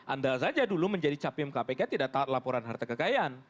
anda saja dulu menjadi capim kpk tidak taat laporan harta kekayaan